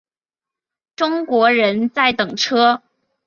中国人在等车